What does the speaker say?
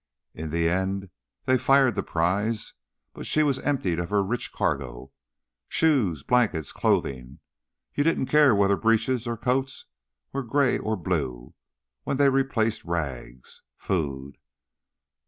In the end they fired the prize, but she was emptied of her rich cargo. Shoes, blankets, clothing you didn't care whether breeches and coats were gray or blue when they replaced rags food.